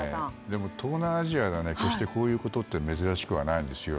東南アジアでは決してこういうことは珍しくないんですよ。